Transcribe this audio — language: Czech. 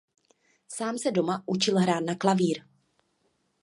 Sám se doma učil hrát na klavír.